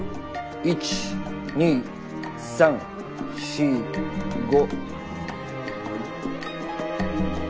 １２３４５。